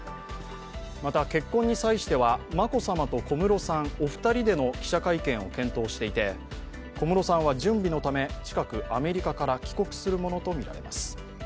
また結婚に際しては、眞子さまと小室さん、お二人での記者会見を検討していて、小室さんは準備のため、近く、アメリカから帰国するものと見られます。